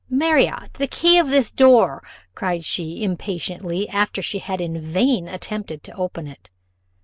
"Marriott, the key of this door," cried she impatiently, after she had in vain attempted to open it.